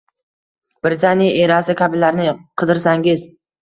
Britaniya erasi kabilarni qidirsangiz